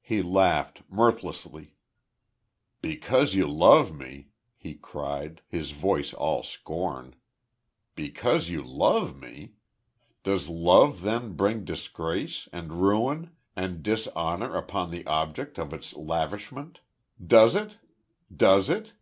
He laughed, mirthlessly. "Because you love me!" he cried, his voice all scorn. "Because you love me! Does love then bring disgrace, and ruin, and dishonor upon the object of its lavishment? Does it? Does it?"